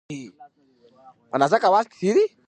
مضمون او موضوع باندي اغېزه ونه لري.